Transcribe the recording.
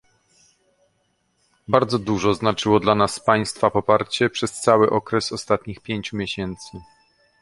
Bardzo dużo znaczyło dla nas Państwa poparcie przez cały okres ostatnich pięciu miesięcy